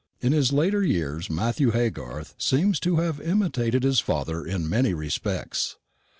In his later years Matthew Haygarth seems to have imitated his father in many respects.